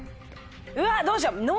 うわどうしよう能。